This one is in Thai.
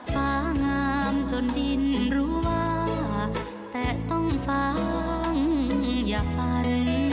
ฟ้างามจนดินรู้ว่าแต่ต้องฟังอย่าฝัน